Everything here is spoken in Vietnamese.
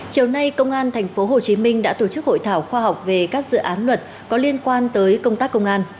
chiều nay công an tp hcm đã tổ chức hội thảo khoa học về các dự án luật có liên quan tới công tác công an